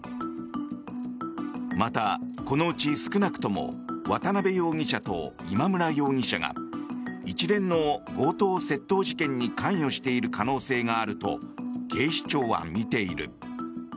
また、このうち少なくとも渡邉容疑者と今村容疑者が一連の強盗・窃盗事件に関与している可能性があると警視庁は見ている。